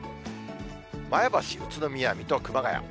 前橋、宇都宮、水戸、熊谷。